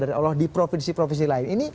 dari allah di provinsi provinsi lain